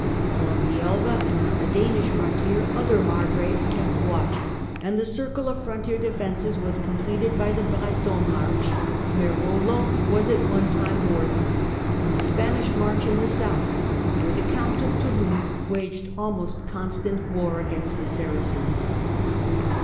Along the Elbe, and on the Danish frontier, other margraves kept watch, and the circle of frontier defences was completed by the Breton March, where Roland w T as at one time warden, and the Spanish March in the south, where the Count of Toulouse waged almost constant war against the Saracens.